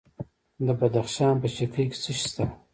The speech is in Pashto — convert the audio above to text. د بدخشان په شکی کې څه شی شته؟